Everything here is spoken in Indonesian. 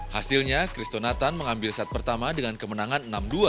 hasilnya christo nathan mengambil set pertama dengan kemenangan enam dua